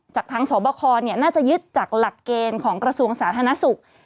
จากทางสบคน่าจะยึดจากหลักเกณฑ์ของกระทรวงสาธารณสุข